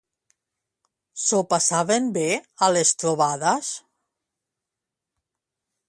S'ho passaven bé a les trobades?